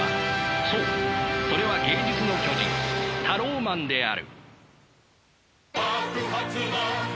そうそれは芸術の巨人タローマンである。